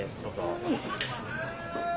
はい。